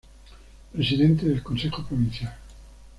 Presidente del Consejo Provincial.